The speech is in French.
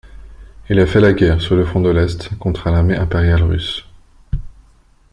Il a fait la guerre sur le front de l'Est contre l'Armée impériale russe.